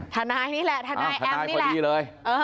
ธนายนี่แหละธนายแอมนี่แหละอ๋อธนายพอดีเลย